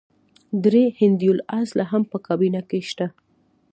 درې هندي الاصله هم په کابینه کې شته.